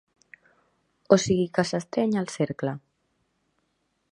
O sigui que s'estreny el cercle.